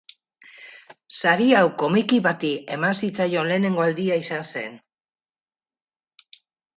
Sari hau komiki bati eman zitzaion lehenengo aldia izan zen.